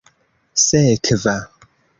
sekva